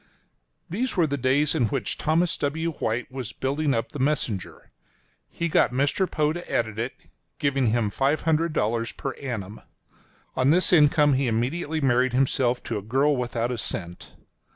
These were the days in which Thomas W. White was building up the Messenger. He got Mr. Poe to edit it, giving him $500 per annum. On this income, he immediately married himself to a girl without a cent.